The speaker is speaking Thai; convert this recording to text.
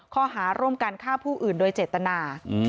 ข้อหาร่วมกันฆ่าผู้อื่นโดยเจตนา